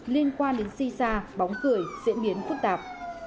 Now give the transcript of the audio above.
liên quan đến si sa bóng cười diễn biến phức tạp